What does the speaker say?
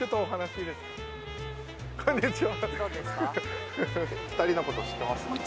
こんにちは。